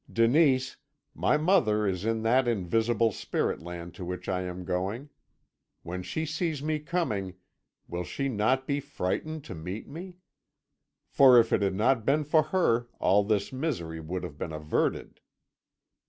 Denise, my mother is in that invisible spirit land to which I am going. When she sees me coming, will she not be frightened to meet me? for, if it had not been for her, all this misery would have been averted.'